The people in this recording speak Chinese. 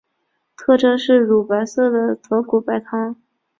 特征是乳白色的豚骨白汤。